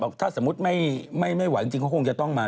ถ้าสมมุติไม่ไหวจริงเขาคงจะต้องมา